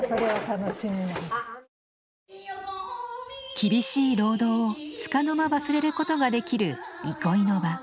厳しい労働をつかの間忘れることができる憩いの場。